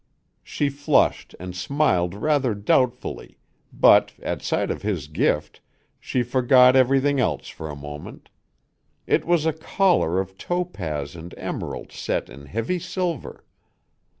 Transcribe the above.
She flushed and smiled rather doubtfully, but, at sight of his gift, she forgot everything else for a moment. It was a collar of topaz and emerald set in heavy silver.